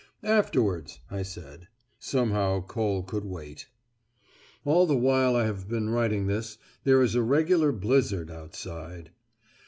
'Afterwards,' I said. Somehow coal could wait. All the while I have been writing this, there is a regular blizzard outside."